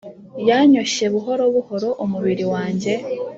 Yanyoshye buhoro buhoro umubiri wanjye,